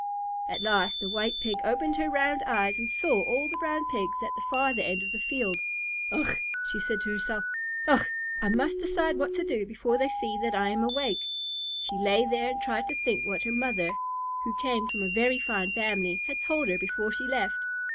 At last the White Pig opened her round eyes and saw all the Brown Pigs at the farther end of the field. "Ugh!" said she to herself, "Ugh! I must decide what to do before they see that I am awake." She lay there and tried to think what her mother, who came of a very fine family, had told her before she left.